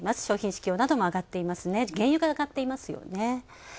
商品市況なども上がっていますね、原油も上がっていますよね。